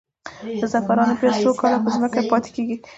د زعفرانو پیاز څو کاله په ځمکه کې پاتې کیږي؟